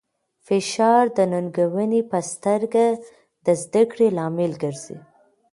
فشار د ننګونې په سترګه د زده کړې لامل ګرځي.